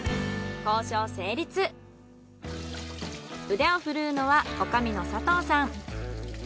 腕を振るうのは女将の佐藤さん。